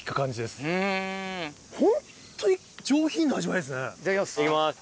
いただきます。